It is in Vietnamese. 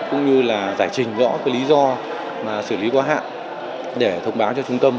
cũng như giải trình rõ lý do xử lý quá hạn để thông báo cho trung tâm